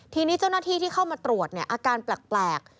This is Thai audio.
ทีนี้เจ้าหน้าที่ที่เข้ามาตรวจอาการแปลก